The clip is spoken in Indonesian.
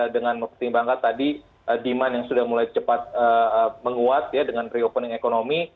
dengan mengerti bangka tadi demand yang sudah mulai cepat menguat ya dengan reopening ekonomi